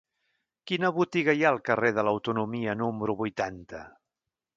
Quina botiga hi ha al carrer de l'Autonomia número vuitanta?